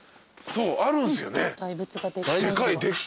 そうなんですよね。